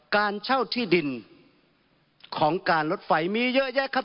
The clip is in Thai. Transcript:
การเช่าที่ดินของการรถไฟมีเยอะแยะครับ